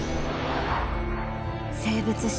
生物史